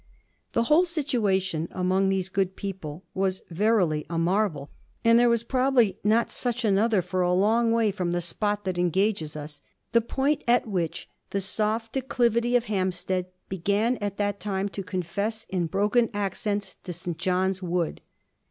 The whole situation, among these good people, was verily a marvel, and there was probably not such another for a long way from the spot that engages us the point at which the soft declivity of Hampstead began at that time to confess in broken accents to Saint John's Wood.